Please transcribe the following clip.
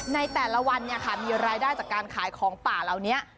ในแต่ละวันเนี่ยมีรายได้การขายของป่าเราเนี่ย